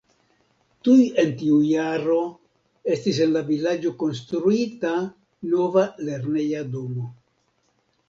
Tuj en tiu jaro estis en la vilaĝo konstruita nova lerneja domo.